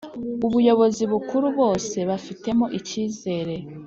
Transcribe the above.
ubuyobozi bukuru bose bafitemo icyizere